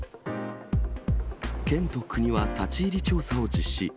県と国は立ち入り調査を実施。